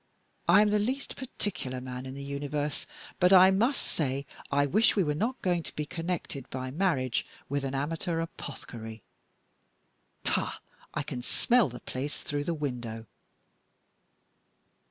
"I am the least particular man in the universe, but I must say I wish we were not going to be connected by marriage with an amateur apothecary. Pah! I can smell the place through the window."